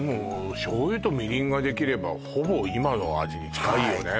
もう醤油とみりんができればほぼ今の味に近いよね